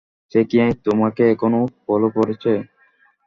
সে কি তোমাকে এখানেও ফলো করেছে?